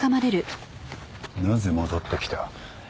なぜ戻ってきた？え？